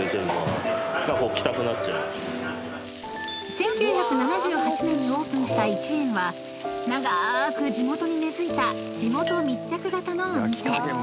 ［１９７８年にオープンした一圓は長く地元に根付いた地元密着型のお店］